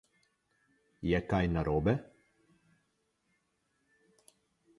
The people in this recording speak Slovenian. Je kaj narobe?